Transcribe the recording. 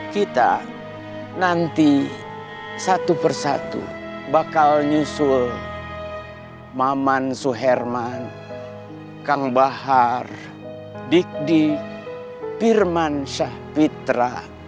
kita nanti satu persatu bakal nyusul maman suherman kang bahar dikdik pirman syahpitra